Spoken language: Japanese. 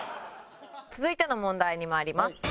続いての問題にまいります。